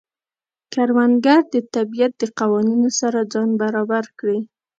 کروندګر د طبیعت د قوانینو سره ځان برابر کړي